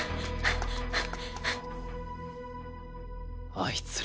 あいつら。